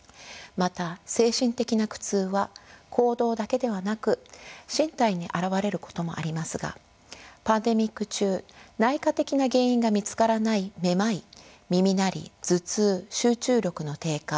また精神的な苦痛は行動だけではなく身体に表れることもありますがパンデミック中内科的な原因が見つからないめまい耳鳴り頭痛集中力の低下